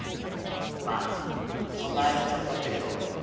まあそんな挨拶はよかっちゃけど。